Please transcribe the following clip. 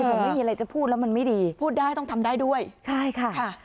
ผมไม่มีอะไรจะพูดแล้วมันไม่ดีพูดได้ต้องทำได้ด้วยใช่ค่ะค่ะ